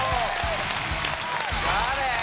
誰？